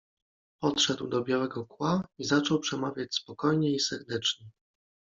Podszedł do Białego Kła i zaczął przemawiać spokojnie i serdecznie.